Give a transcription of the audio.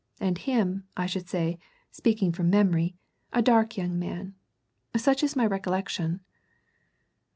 And him, I should say, speaking from memory, a dark young man such is my recollection."